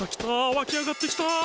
わきあがってきた！